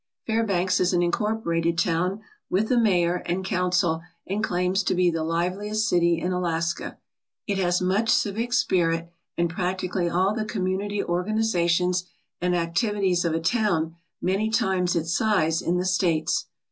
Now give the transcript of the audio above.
Fairbanks is an incorporated town with a mayor and council and claims to be the livest city in Alaska. It has much civic spirit and practically all the community organ izations and activities of a town many times its size in the States.